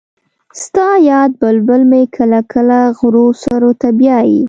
ستا یاد بلبل مې کله کله غرو سرو ته بیايي